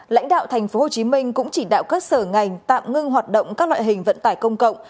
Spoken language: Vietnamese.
lãnh đạo tp hcm cũng chỉ đạo các sở ngành tạm ngưng hoạt động các loại hình vận tải công cộng